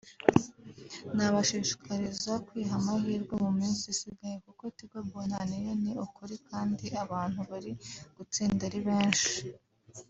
nabashishikariza kwiha amahirwe mu minsi isigaye kuko Tigo Bonane yo ni ukuri kandi abantu bari gutsinda ari benshi